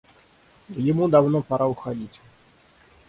Ему давно пора уходить.